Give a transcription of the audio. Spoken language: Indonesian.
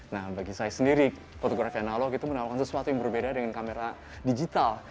nah bagi saya sendiri fotografi analog itu menawarkan sesuatu yang berbeda dengan kamera digital